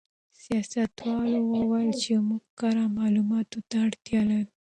سیاستوال وویل چې موږ کره معلوماتو ته اړتیا لرو.